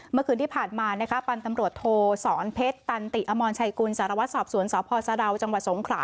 เมื่อคืนที่ผ่านมานะคะปันตำรวจโทสอนเพชรตันติอมรชัยกุลสารวัตรสอบสวนสพสะดาวจังหวัดสงขลา